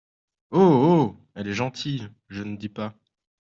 Oh ! oh !… elle est gentille, je ne dis pas…